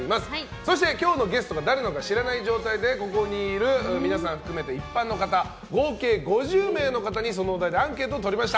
そして今日のゲストが誰なのか知らない状態でここにいる皆さん含めて一般の方合計５０名の方にそのお題でアンケートをとりました。